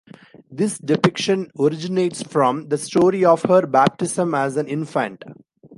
This depiction originates from the story of her baptism as an infant.